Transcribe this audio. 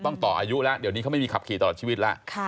ต่ออายุแล้วเดี๋ยวนี้เขาไม่มีขับขี่ตลอดชีวิตแล้ว